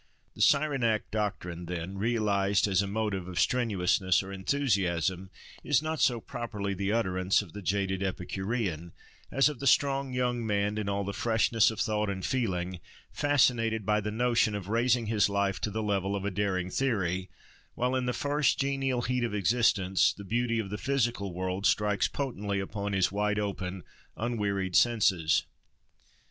The Cyrenaic doctrine, then, realised as a motive of strenuousness or enthusiasm, is not so properly the utterance of the "jaded Epicurean," as of the strong young man in all the freshness of thought and feeling, fascinated by the notion of raising his life to the level of a daring theory, while, in the first genial heat of existence, the beauty of the physical world strikes potently upon his wide open, unwearied senses.